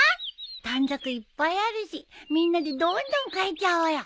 短冊いっぱいあるしみんなでどんどん書いちゃおうよ。